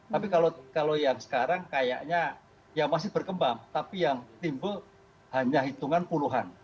tapi kalau yang sekarang kayaknya ya masih berkembang tapi yang timbul hanya hitungan puluhan